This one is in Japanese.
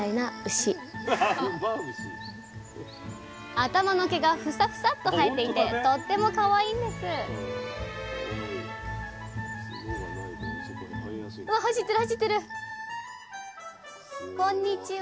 頭の毛がふさふさっと生えていてとってもかわいいんですこんにちは！